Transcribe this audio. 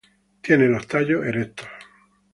Tiene los tallos erectos.